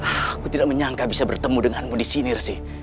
aku tidak menyangka bisa bertemu denganmu disini rizky